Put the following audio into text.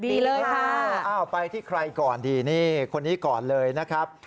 ดีเลยค่ะอ้าวไปที่ใครก่อนดีนี่คนนี้ก่อนเลยนะครับ